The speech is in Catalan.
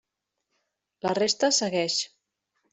La resta segueix.